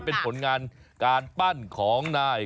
เป็นผลงานการปั้นของนาย